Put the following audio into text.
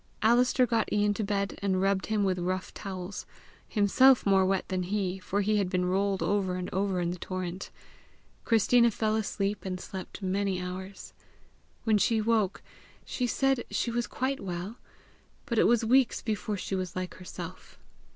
Alister got Ian to bed, and rubbed him with rough towels himself more wet than he, for he had been rolled over and over in the torrent. Christina fell asleep, and slept many hours. When she woke, she said she was quite well; but it was weeks before she was like herself.